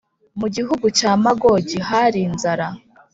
mu gihugu cya Magogi hari inzara